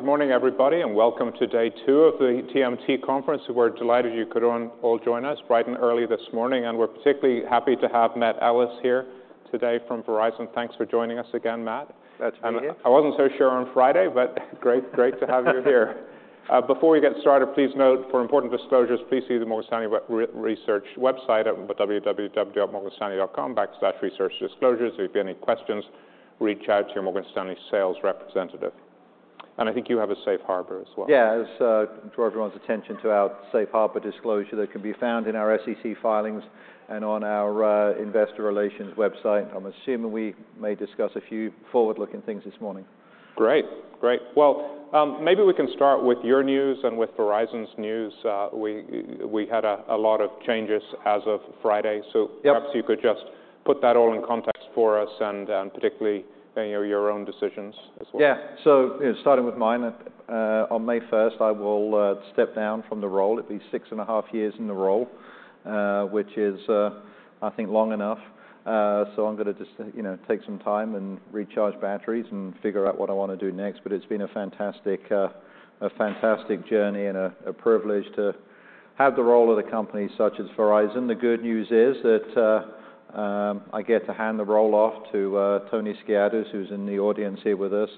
Good morning, everybody, welcome to day two of the TMT Conference. We're delighted you could all join us bright and early this morning, and we're particularly happy to have Matt Ellis here today from Verizon. Thanks for joining us again, Matt. That's me. I wasn't so sure on Friday, but great to have you here. Before we get started, please note for important disclosures, please see the Morgan Stanley research website at www.morganstanley.com/researchdisclosures. If you have any questions, reach out to your Morgan Stanley sales representative. I think you have a safe harbor as well. Yeah. As, draw everyone's attention to our safe harbor disclosure that can be found in our SEC filings and on our, investor relations website. I'm assuming we may discuss a few forward-looking things this morning. Great. Great. Well, maybe we can start with your news and with Verizon's news. we had a lot of changes as of Friday. Yep So perhaps you could just put that all in context for us and, particularly, you know, your own decisions as well. Yeah. You know, starting with mine, on May 1st, I will step down from the role. It'll be six and a half years in the role, which is I think long enough. I'm gonna just, you know, take some time and recharge batteries and figure out what I wanna do next, but it's been a fantastic, a fantastic journey and a privilege to have the role at a company such as Verizon. The good news is that I get to hand the role off to Tony Skiadas, who's in the audience here with us,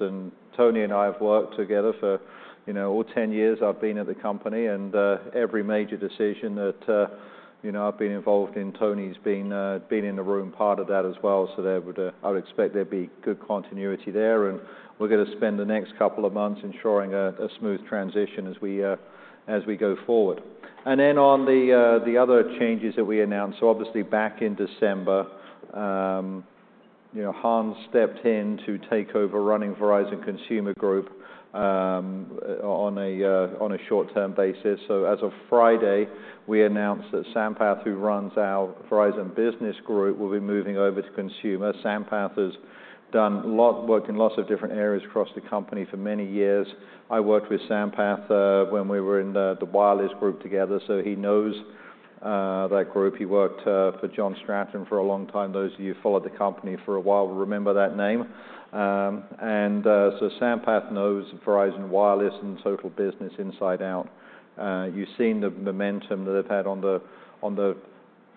Tony and I have worked together for, you know, all 10 years I've been at the company. Every major decision that I've been involved in, Tony's been in the room, part of that as well, so I would expect there'd be good continuity there, and we're gonna spend the next couple of months ensuring a smooth transition as we go forward. On the other changes that we announced back in December, Hans stepped in to take over running Verizon Consumer Group on a short-term basis. As of Friday, we announced that Sampath, who runs our Verizon Business Group, will be moving over to Consumer. Sampath has done work in lots of different areas across the company for many years. I worked with Sampath, when we were in the wireless group together, so he knows that group. He worked for John Stratton for a long time. Those of you who followed the company for a while will remember that name. Sampath knows Verizon Wireless and total business inside out. You've seen the momentum that they've had on the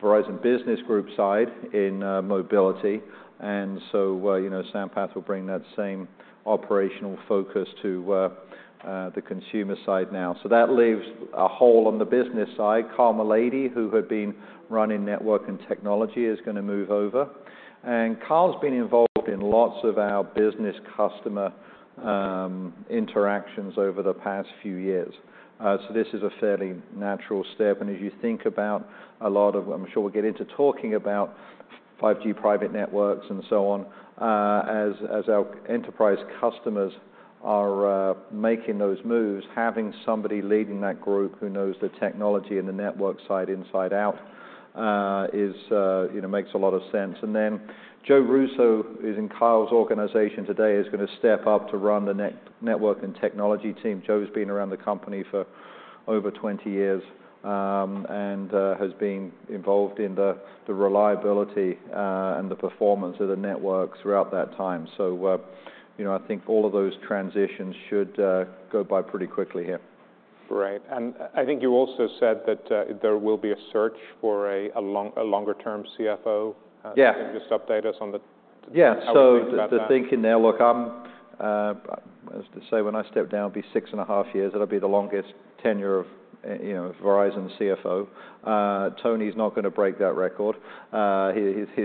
Verizon Business Group side in mobility. You know, Sampath will bring that same operational focus to the consumer side now. That leaves a hole on the business side. Kyle Malady, who had been running network and technology, is gonna move over. Kyle's been involved in lots of our business customer interactions over the past few years. This is a fairly natural step, and as you think about a lot of... I'm sure we'll get into talking about 5G private networks and so on. As our enterprise customers are making those moves, having somebody leading that group who knows the technology and the network side inside out, you know, makes a lot of sense. Joe Russo, who's in Kyle's organization today, is gonna step up to run the network and technology team. Joe's been around the company for over 20 years, and has been involved in the reliability and the performance of the network throughout that time. You know, I think all of those transitions should go by pretty quickly here. Right. I think you also said that, there will be a search for a longer-term CFO. Yeah Can you just update us on the- Yeah... how we're thinking about that? The, the thinking now, look, I'm, as I say, when I step down, it'll be six and a half years. It'll be the longest tenure of, you know, Verizon CFO. Tony's not gonna break that record.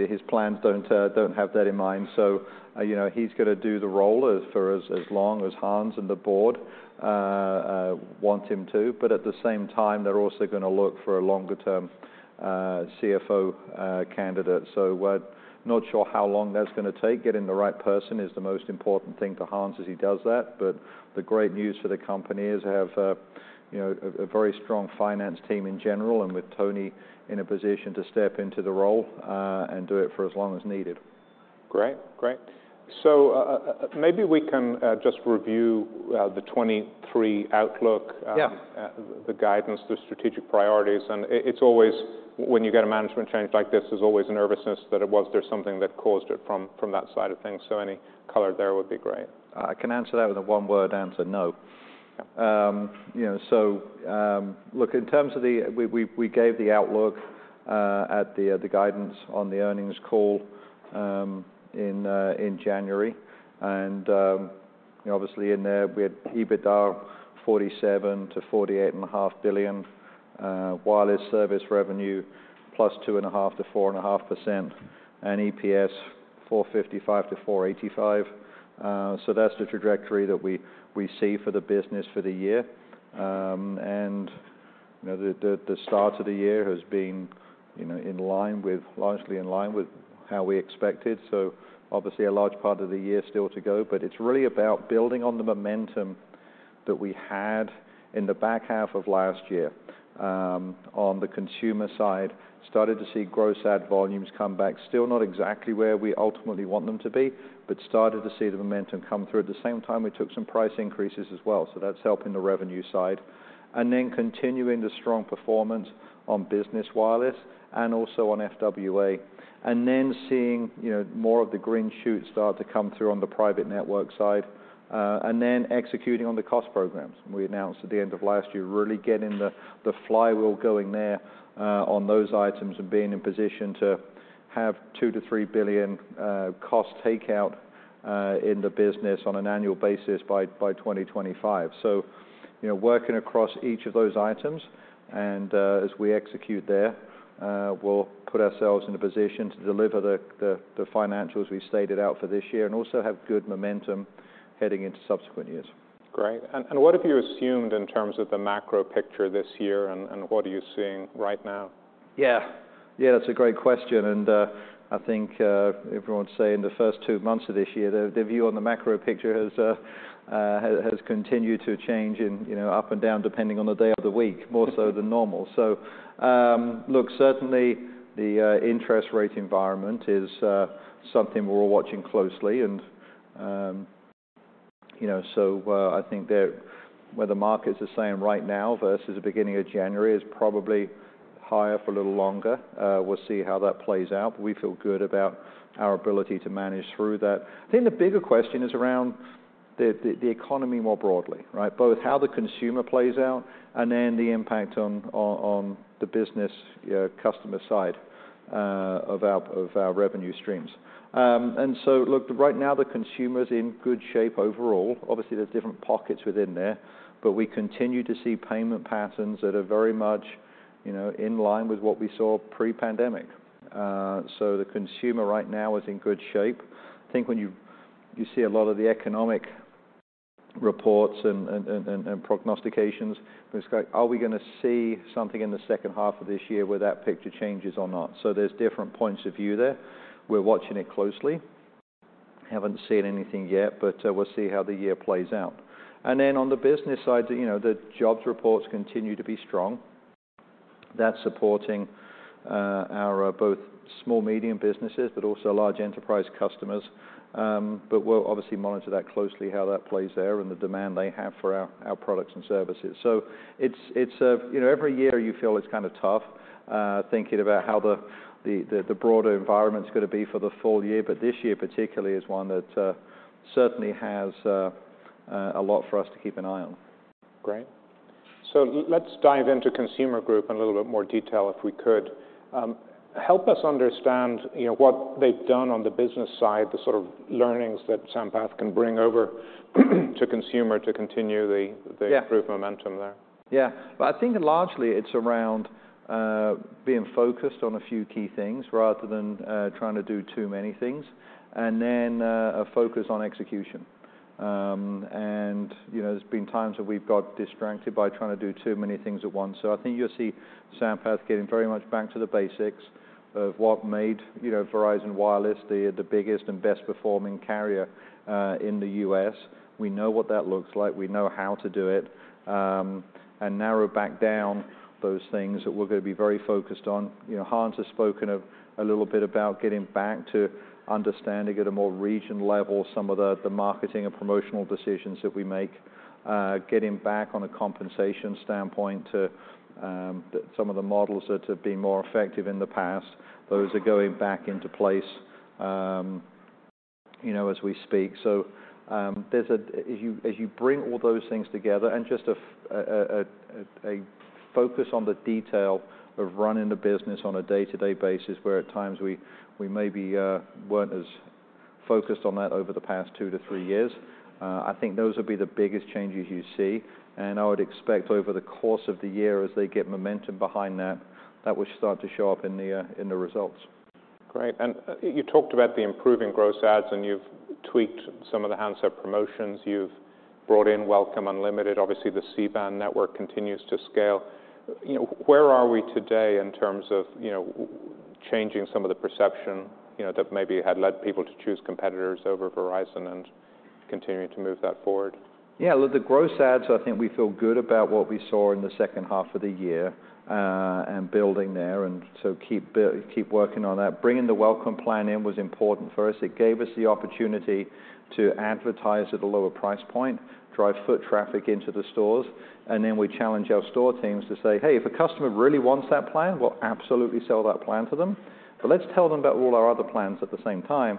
His plans don't have that in mind. You know, he's gonna do the role as far as long as Hans and the board want him to. At the same time, they're also gonna look for a longer term, CFO candidate. We're not sure how long that's gonna take. Getting the right person is the most important thing to Hans as he does that. The great news for the company is they have, you know, a very strong finance team in general, and with Tony in a position to step into the role, and do it for as long as needed. Great. Maybe we can just review the 2023 outlook. Yeah... The guidance, the strategic priorities. It's always when you get a management change like this, there's always a nervousness that it was there something that caused it from that side of things. Any color there would be great. I can answer that with a one-word answer, no. Yeah. You know, look, in terms of we gave the outlook at the guidance on the earnings call in January. You know, obviously in there we had EBITDA $47 billion-$48 and a half billion, wireless service revenue plus 2.5% to 4.5%, and EPS $4.55-$4.85. That's the trajectory that we see for the business for the year. You know, the start of the year has been, you know, in line with, largely in line with how we expected, obviously a large part of the year still to go. It's really about building on the momentum that we had in the back half of last year on the consumer side. Started to see gross add volumes come back. Still not exactly where we ultimately want them to be, but started to see the momentum come through. At the same time, we took some price increases as well, so that's helping the revenue side. Continuing the strong performance on business wireless and also on FWA, and then seeing, you know, more of the green shoots start to come through on the private network side, and then executing on the cost programs we announced at the end of last year, really getting the flywheel going there, on those items and being in position to have $2 billion-$3 billion cost takeout in the business on an annual basis by 2025. Working across each of those items, and, as we execute there, we'll put ourselves in a position to deliver the financials we stated out for this year and also have good momentum heading into subsequent years. Great. What have you assumed in terms of the macro picture this year and what are you seeing right now? Yeah. Yeah, that's a great question. I think everyone's saying the first two months of this year, the view on the macro picture has continued to change and, you know, up and down, depending on the day of the week, more so than normal. Look, certainly the interest rate environment is something we're all watching closely. You know, I think that where the markets are saying right now versus the beginning of January is probably higher for a little longer. We'll see how that plays out. We feel good about our ability to manage through that. I think the bigger question is around the economy more broadly, right? Both how the consumer plays out and then the impact on the business customer side of our revenue streams. Look, right now the consumer's in good shape overall. Obviously, there's different pockets within there, but we continue to see payment patterns that are very much, you know, in line with what we saw pre-pandemic. The consumer right now is in good shape. I think when you see a lot of the economic reports and prognostications, are we gonna see something in the second half of this year where that picture changes or not? There's different points of view there. We're watching it closely. Haven't seen anything yet, but we'll see how the year plays out. Then on the business side, you know, the jobs reports continue to be strong. That's supporting our both small, medium businesses, but also large enterprise customers. We'll obviously monitor that closely how that plays there and the demand they have for our products and services. It's, you know, every year you feel it's kind a tough thinking about how the broader environment's gonna be for the full year, but this year particularly is one that certainly has a lot for us to keep an eye on. Great. Let's dive into Consumer Group in a little bit more detail, if we could. Help us understand, you know, what they've done on the business side, the sort of learnings that Sampath can bring over to consumer to continue. Yeah the group momentum there. Well I think largely it's around being focused on a few key things rather than trying to do too many things, and then a focus on execution. You know, there's been times where we've got distracted by trying to do too many things at once. I think you'll see Sampath getting very much back to the basics of what made, you know, Verizon Wireless the biggest and best performing carrier in the U.S. We know what that looks like. We know how to do it, and narrow back down those things that we're gonna be very focused on. You know, Hans has spoken of a little bit about getting back to understanding at a more region level some of the marketing and promotional decisions that we make, getting back on a compensation standpoint to some of the models that have been more effective in the past. Those are going back into place, you know, as we speak. As you bring all those things together and just a focus on the detail of running the business on a day-to-day basis, where at times we maybe weren't as focused on that over the past two to three years, I think those will be the biggest changes you see. I would expect over the course of the year as they get momentum behind that will start to show up in the in the results. Great. You talked about the improving gross ads, and you've tweaked some of the handset promotions. You've brought in Welcome Unlimited. Obviously, the C-Band network continues to scale. You know, where are we today in terms of, you know, changing some of the perception, you know, that maybe had led people to choose competitors over Verizon and continuing to move that forward? Yeah. Look, the gross ads, I think we feel good about what we saw in the second half of the year, and building there, keep working on that. Bringing the Welcome plan in was important for us. It gave us the opportunity to advertise at a lower price point, drive foot traffic into the stores, then we challenge our store teams to say, "Hey, if a customer really wants that plan, we'll absolutely sell that plan to them. Let's tell them about all our other plans at the same time."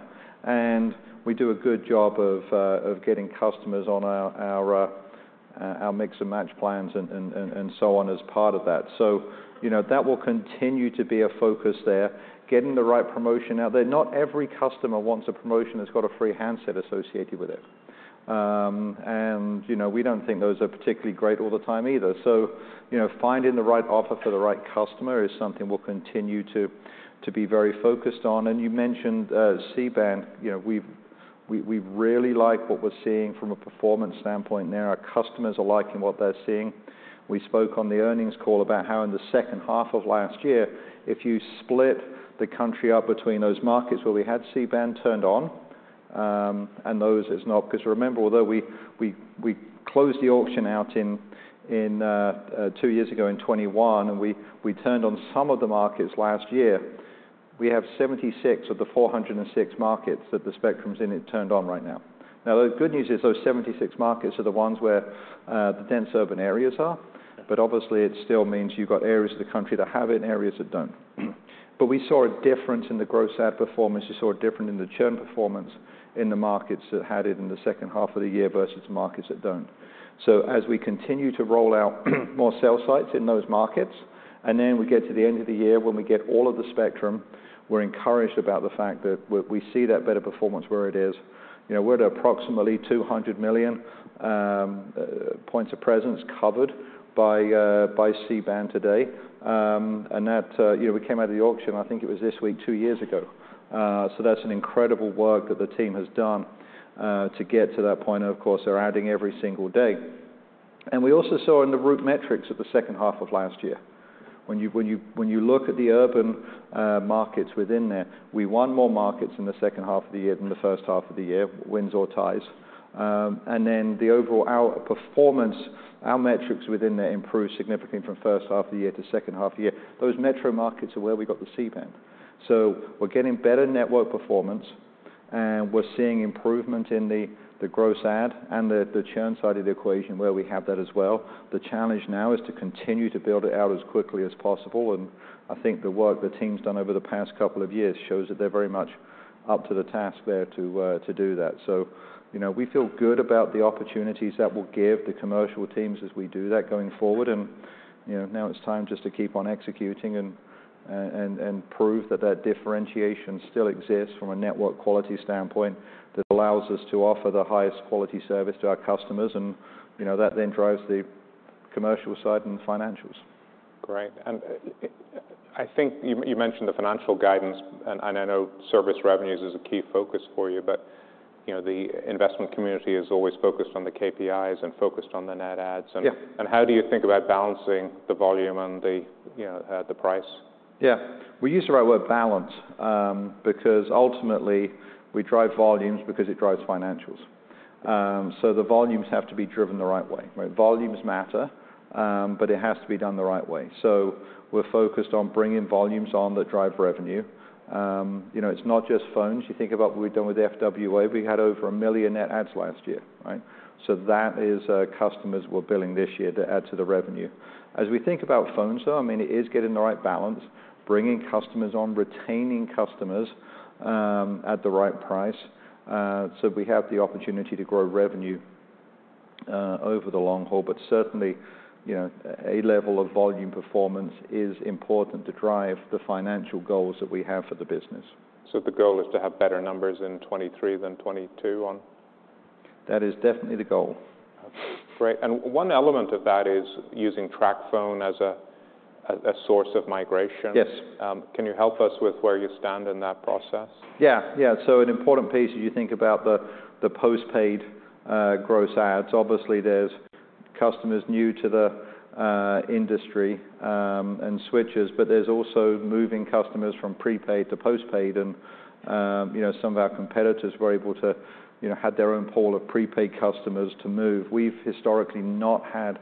We do a good job of getting customers on our Mix & Match plans and so on as part of that. you know, that will continue to be a focus there, getting the right promotion out there. Not every customer wants a promotion that's got a free handset associated with it. you know, we don't think those are particularly great all the time either. you know, finding the right offer for the right customer is something we'll continue to be very focused on. You mentioned C-Band. You know, we really like what we're seeing from a performance standpoint there. Our customers are liking what they're seeing. We spoke on the earnings call about how in the second half of last year, if you split the country up between those markets where we had C-Band turned on, and those it's not. Remember, although we closed the auction out in two years ago in 2021, and we turned on some of the markets last year. We have 76 of the 406 markets that the spectrum's in it turned on right now. The good news is those 76 markets are the ones where the dense urban areas are. But obviously, it still means you've got areas of the country that have it and areas that don't. We saw a difference in the gross ad performance, we saw a difference in the churn performance in the markets that had it in the second half of the year versus markets that don't. As we continue to roll out more cell sites in those markets, and then we get to the end of the year when we get all of the spectrum, we're encouraged about the fact that we see that better performance where it is. You know, we're at approximately 200 million points of presence covered by C-Band today. That, you know, we came out of the auction, I think it was this week two years ago. That's an incredible work that the team has done to get to that point, and of course, they're adding every single day. We also saw in the RootMetrics of the second half of last year. When you look at the urban markets within there, we won more markets in the second half of the year than the first half of the year, wins or ties. Then the overall, our performance, our metrics within there improved significantly from first half of the year to second half of the year. Those metro markets are where we got the C-Band. We're getting better network performance, and we're seeing improvement in the gross ad and the churn side of the equation where we have that as well. The challenge now is to continue to build it out as quickly as possible, and I think the work the team's done over the past couple of years shows that they're very much up to the task there to do that. You know, we feel good about the opportunities that will give the commercial teams as we do that going forward. You know, now it's time just to keep on executing and prove that that differentiation still exists from a network quality standpoint that allows us to offer the highest quality service to our customers, and, you know, that then drives the commercial side and financials. Great. I think you mentioned the financial guidance and I know service revenues is a key focus for you, but, you know, the investment community is always focused on the KPIs and focused on the net adds. Yeah. How do you think about balancing the volume and the, you know, the price? Yeah. We use the right word balance, because ultimately we drive volumes because it drives financials. The volumes have to be driven the right way, right? Volumes matter, but it has to be done the right way. We're focused on bringing volumes on that drive revenue. You know, it's not just phones. You think about what we've done with FWA. We had over 1 million net adds last year, right? That is customers we're billing this year to add to the revenue. As we think about phones, though, I mean, it is getting the right balance, bringing customers on, retaining customers, at the right price, so we have the opportunity to grow revenue over the long haul. Certainly, you know, a level of volume performance is important to drive the financial goals that we have for the business. The goal is to have better numbers in 2023 than 2022 on? That is definitely the goal. Great. One element of that is using TracFone as a source of migration. Yes. Can you help us with where you stand in that process? Yeah. Yeah. An important piece as you think about the post-paid gross adds. Obviously, there's customers new to the industry and switchers, but there's also moving customers from prepaid to postpaid. You know, some of our competitors were able to, you know, had their own pool of prepaid customers to move. We've historically not had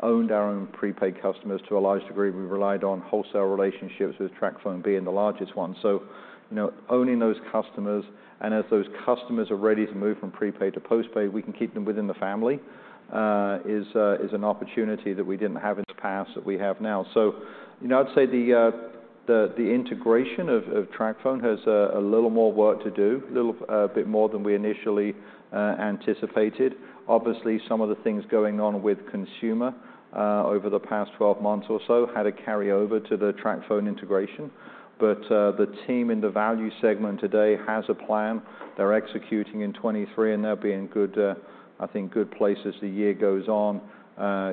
owned our own prepaid customers to a large degree. We've relied on wholesale relationships with TracFone being the largest one. You know, owning those customers and as those customers are ready to move from prepaid to postpaid, we can keep them within the family is an opportunity that we didn't have in the past that we have now. You know, I'd say the, the integration of TracFone has a little more work to do, little bit more than we initially anticipated. Obviously, some of the things going on with consumer over the past 12 months or so had a carryover to the TracFone integration. The team in the value segment today has a plan. They're executing in 2023, and they'll be in good, I think good place as the year goes on.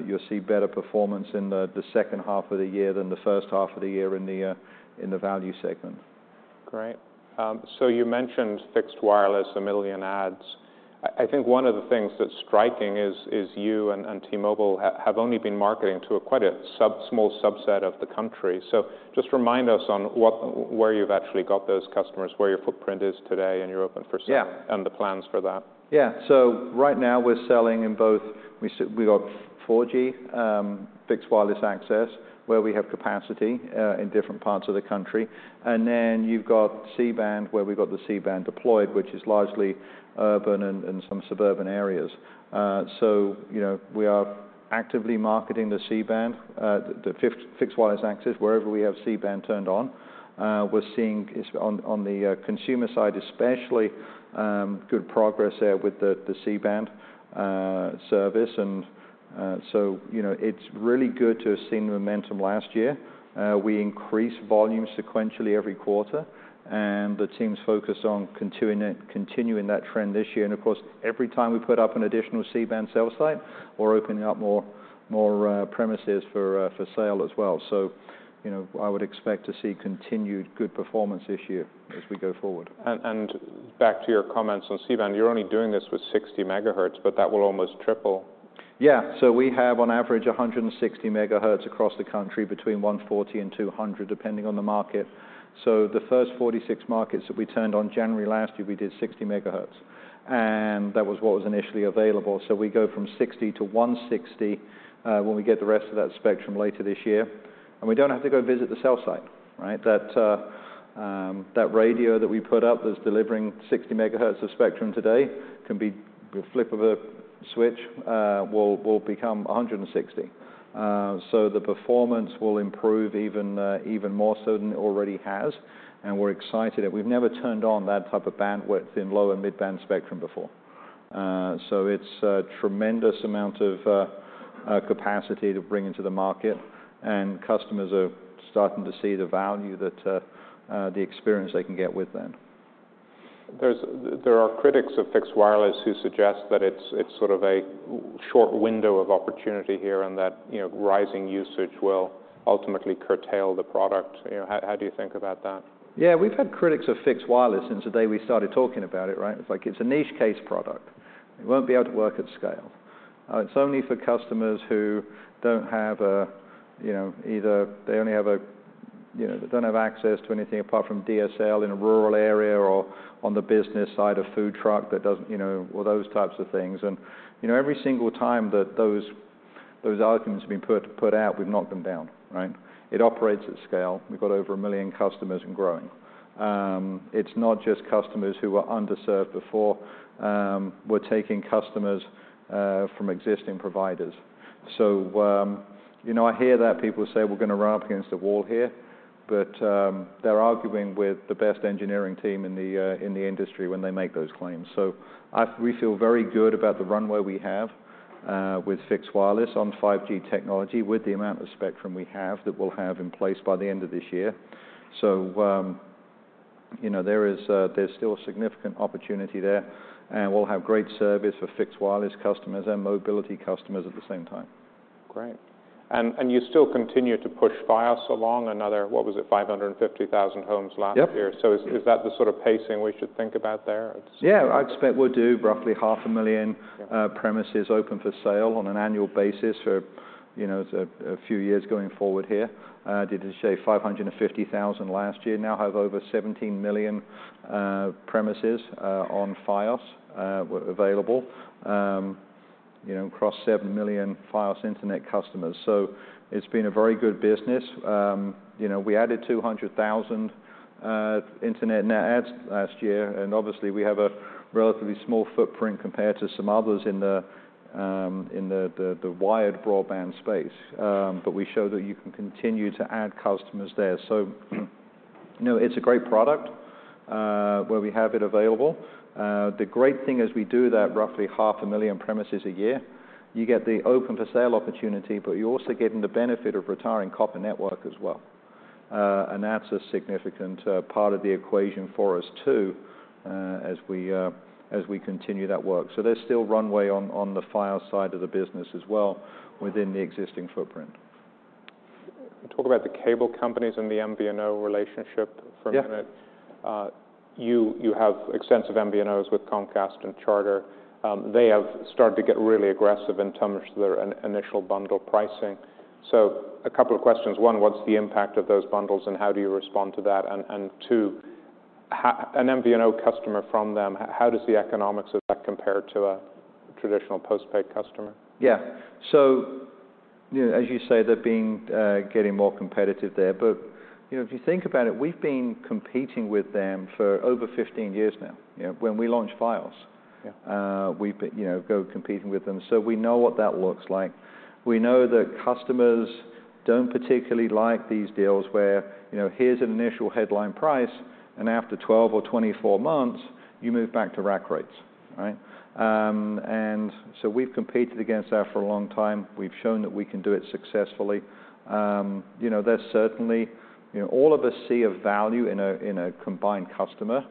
You'll see better performance in the second half of the year than the first half of the year in the value segment. Great. you mentioned fixed wireless, 1 million adds. I think one of the things that's striking is you and T-Mobile have only been marketing to quite a small subset of the country. Just remind us on where you've actually got those customers, where your footprint is today, and you're open for sale? Yeah... and the plans for that. Yeah. Right now we're selling in both. We've got 4G fixed wireless access, where we have capacity in different parts of the country. You've got C-Band, where we've got the C-Band deployed, which is largely urban and some suburban areas. You know, we are actively marketing the C-Band fixed wireless access wherever we have C-Band turned on. We're seeing is on the consumer side especially good progress there with the C-Band service. You know, it's really good to have seen the momentum last year. We increased volume sequentially every quarter, and the team's focused on continuing that trend this year. Of course, every time we put up an additional C-Band cell site, we're opening up more premises for sale as well. you know, I would expect to see continued good performance this year as we go forward. Back to your comments on C-Band, you're only doing this with 60 megahertz, but that will almost triple. Yeah. We have on average 160 megahertz across the country between 140 and 200, depending on the market. The first 46 markets that we turned on January last year, we did 60 megahertz. That was what was initially available. We go from 60 to 160 when we get the rest of that spectrum later this year. We don't have to go visit the cell site, right? That radio that we put up that's delivering 60 megahertz of spectrum today can be with flip of a switch, will become 160. The performance will improve even more so than it already has, and we're excited that we've never turned on that type of bandwidth in low and mid-band spectrum before. It's a tremendous amount of capacity to bring into the market, and customers are starting to see the value that the experience they can get with that. There are critics of fixed wireless who suggest that it's sort of a short window of opportunity here and that, you know, rising usage will ultimately curtail the product. You know, how do you think about that? Yeah. We've had critics of fixed wireless since the day we started talking about it, right? It's like, "It's a niche case product. It won't be able to work at scale. It's only for customers who don't have a, you know, either they only have a, you know, they don't have access to anything apart from DSL in a rural area or on the business side, a food truck that doesn't, you know, all those types of things." You know, every single time that those arguments have been put out, we've knocked them down, right? It operates at scale. We've got over 1 million customers and growing. It's not just customers who were underserved before. We're taking customers from existing providers. You know, I hear that people say we're gonna run up against the wall here, but, they're arguing with the best engineering team in the industry when they make those claims. We feel very good about the runway we have, with fixed wireless on 5G technology with the amount of spectrum we have that we'll have in place by the end of this year. You know, there is, there's still significant opportunity there, and we'll have great service for fixed wireless customers and mobility customers at the same time. Great. You still continue to push Fios along another, what was it? 550,000 homes last year. Yep. Is that the sort of pacing we should think about there? Yeah. I expect we'll do roughly half a million- Yeah premises open for sale on an annual basis for, you know, a few years going forward here. Did say 550,000 last year. Now have over 17 million premises on Fios available, you know, across 7 million Fios Internet customers. It's been a very good business. You know, we added 200,000 internet net adds last year, and obviously we have a relatively small footprint compared to some others in the wired broadband space. We show that you can continue to add customers there. You know, it's a great product where we have it available. The great thing is we do that roughly half a million premises a year. You get the open for sale opportunity, but you're also getting the benefit of retiring copper network as well. That's a significant part of the equation for us, too, as we continue that work. There's still runway on the Fios side of the business as well within the existing footprint. Talk about the cable companies and the MVNO relationship for a minute. Yeah. You have extensive MVNOs with Comcast and Charter. They have started to get really aggressive in terms of their initial bundle pricing. A couple of questions. One, what's the impact of those bundles, and how do you respond to that? Two, an MVNO customer from them, how does the economics of that compare to a traditional postpaid customer? Yeah. You know, as you say, getting more competitive there. You know, if you think about it, we've been competing with them for over 15 years now. You know, when we launched Fios. Yeah We've been, you know, go competing with them. We know what that looks like. We know that customers don't particularly like these deals where, you know, here's an initial headline price, and after 12 or 24 months, you move back to rack rates, right? We've competed against that for a long time. We've shown that we can do it successfully. You know, there's certainly, you know, all of us see a value in a, in a combined customer.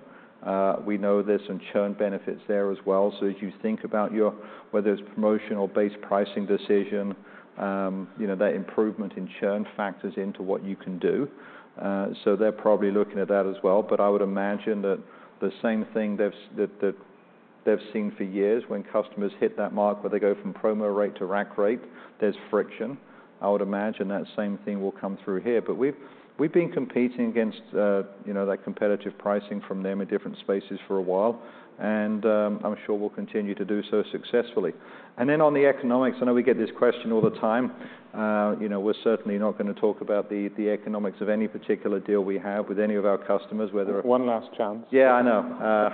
We know there's some churn benefits there as well. As you think about your, whether it's promotional base pricing decision, you know, that improvement in churn factors into what you can do. They're probably looking at that as well. I would imagine that the same thing they've seen for years when customers hit that mark where they go from promo rate to rack rate, there's friction. I would imagine that same thing will come through here. We've been competing against, you know, that competitive pricing from them in different spaces for a while, and I'm sure we'll continue to do so successfully. On the economics, I know we get this question all the time. You know, we're certainly not gonna talk about the economics of any particular deal we have with any of our customers, whether. One last chance. I know.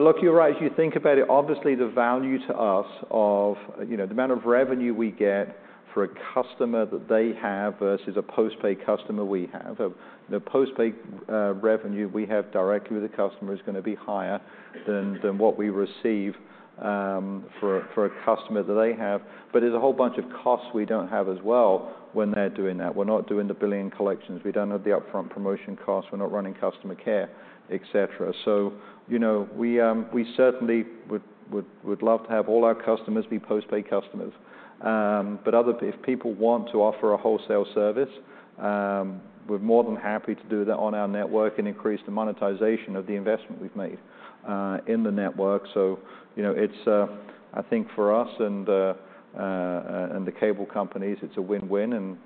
Look, you're right. If you think about it, obviously the value to us of, you know, the amount of revenue we get for a customer that they have versus a postpaid customer we have, the postpaid revenue we have directly with the customer is gonna be higher than what we receive for a customer that they have. There's a whole bunch of costs we don't have as well when they're doing that. We're not doing the billing collections. We don't have the upfront promotion costs. We're not running customer care, et cetera. You know, we certainly would love to have all our customers be postpaid customers. If people want to offer a wholesale service, we're more than happy to do that on our network and increase the monetization of the investment we've made in the network. You know, it's I think for us and the cable companies, it's a win-win, and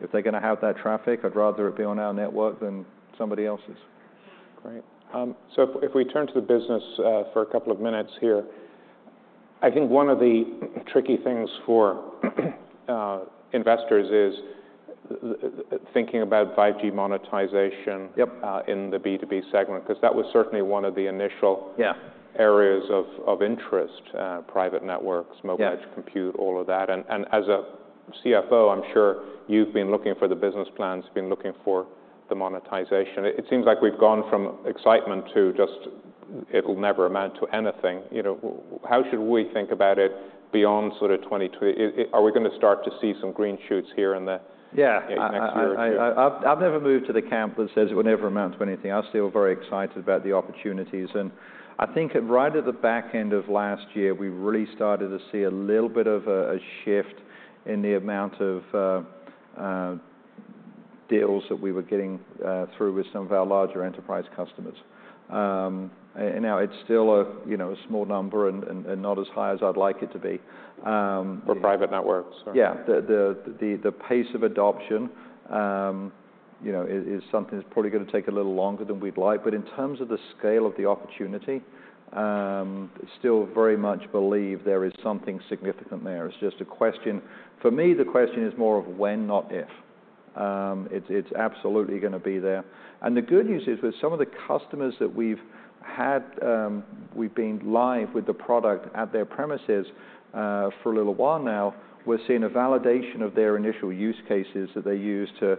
if they're gonna have that traffic, I'd rather it be on our network than somebody else's. Great. If, if we turn to the business, for a couple of minutes here, I think one of the tricky things for investors is thinking about 5G monetization. Yep in the B2B segment, because that was certainly one of the. Yeah areas of interest, private networks. Yeah ...Mobile edge compute, all of that. As a CFO, I'm sure you've been looking for the business plans, been looking for the monetization. It seems like we've gone from excitement to just it'll never amount to anything. You know, how should we think about it beyond sort of 23? Are we going to start to see some green shoots here in the- Yeah. Next year or two. I've never moved to the camp that says it will never amount to anything. I'm still very excited about the opportunities. I think right at the back end of last year, we really started to see a little bit of a shift in the amount of deals that we were getting through with some of our larger enterprise customers. Now it's still a, you know, a small number and not as high as I'd like it to be. For private networks. Yeah. The pace of adoption, you know, is something that's probably gonna take a little longer than we'd like. In terms of the scale of the opportunity, still very much believe there is something significant there. For me, the question is more of when, not if. It's absolutely gonna be there. The good news is that some of the customers that we've had, we've been live with the product at their premises, for a little while now. We're seeing a validation of their initial use cases that they use to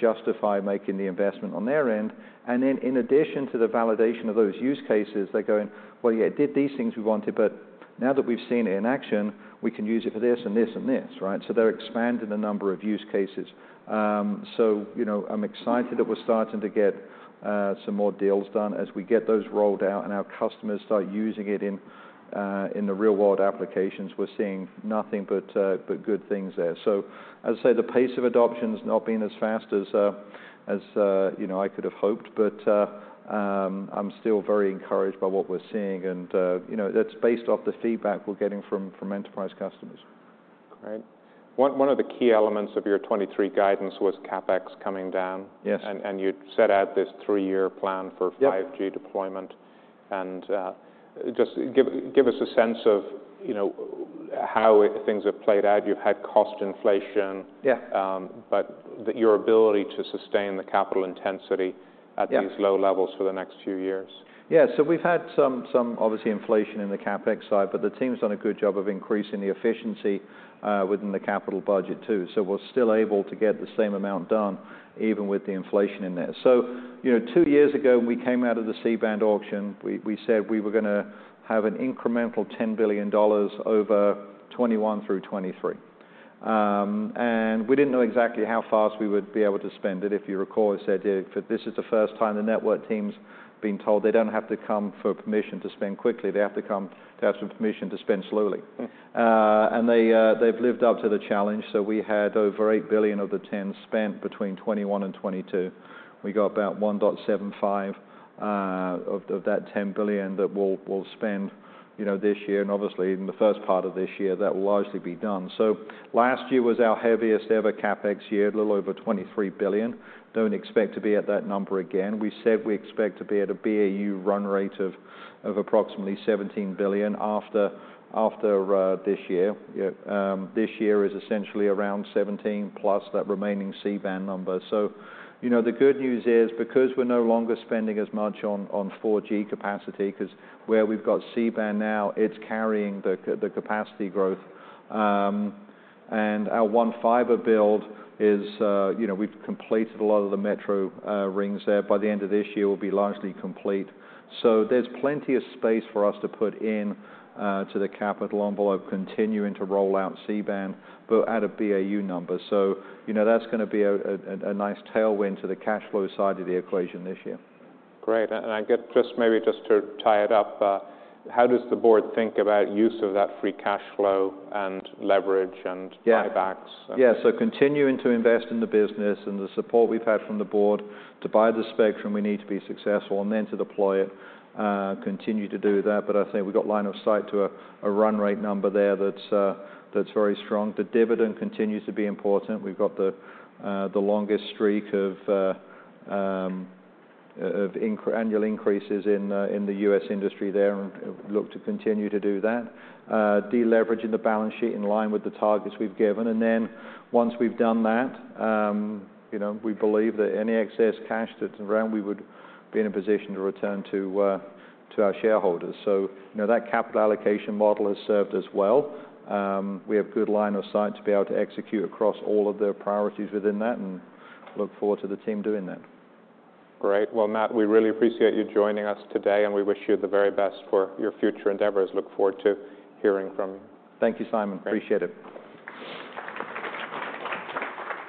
justify making the investment on their end. In addition to the validation of those use cases, they're going, "Well, yeah, it did these things we wanted, but now that we've seen it in action, we can use it for this and this and this." Right? They're expanding the number of use cases. You know, I'm excited that we're starting to get some more deals done as we get those rolled out and our customers start using it in the real-world applications. We're seeing nothing but good things there. I'd say the pace of adoption has not been as fast as, you know, I could have hoped, but I'm still very encouraged by what we're seeing. You know, that's based off the feedback we're getting from enterprise customers. Great. One of the key elements of your 2023 guidance was CapEx coming down. Yes. You set out this three-year plan. Yep ...5G deployment. Just give us a sense of, you know, how things have played out. You've had cost. Yeah your ability to sustain the capital intensity. Yeah at these low levels for the next few years. Yeah. We've had some obviously inflation in the CapEx side, but the team's done a good job of increasing the efficiency within the capital budget too. We're still able to get the same amount done even with the inflation in there. You know, two years ago, when we came out of the C-Band auction, we said we were gonna have an incremental $10 billion over 2021 through 2023. We didn't know exactly how fast we would be able to spend it. If you recall, I said this is the first time the network team's been told they don't have to come for permission to spend quickly. They have to come to have some permission to spend slowly. They've lived up to the challenge. We had over $8 billion of the 10 spent between 2021 and 2022. We got about 1.75 of that $10 billion that we'll spend, you know, this year and obviously in the first part of this year, that will largely be done. Last year was our heaviest ever CapEx year, a little over $23 billion. Don't expect to be at that number again. We said we expect to be at a BAU run rate of approximately $17 billion after this year. This year is essentially around 17 plus that remaining C-Band number. You know, the good news is, because we're no longer spending as much on 4G capacity, 'cause where we've got C-Band now, it's carrying the capacity growth. And our One Fiber build is, you know, we've completed a lot of the metro rings there. By the end of this year, we'll be largely complete. There's plenty of space for us to put in, to the capital envelope, continuing to roll out C-Band, but at a BAU number. You know, that's gonna be a, a nice tailwind to the cash flow side of the equation this year. Great. I get just maybe just to tie it up, how does the board think about use of that free cash flow and leverage and- Yeah ...buybacks? Yeah. Continuing to invest in the business and the support we've had from the board to buy the spectrum, we need to be successful and then to deploy it, continue to do that. I think we've got line of sight to a run rate number there that's very strong. The dividend continues to be important. We've got the longest streak of annual increases in the U.S. industry there and look to continue to do that. De-leveraging the balance sheet in line with the targets we've given. Once we've done that, you know, we believe that any excess cash that's around, we would be in a position to return to our shareholders. You know, that capital allocation model has served us well. We have good line of sight to be able to execute across all of the priorities within that, and look forward to the team doing that. Great. Well, Matt, we really appreciate you joining us today, and we wish you the very best for your future endeavors. Look forward to hearing from you. Thank you, Simon. Great. Appreciate it.